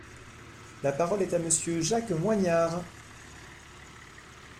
La parole est à Monsieur Jacques Moignard.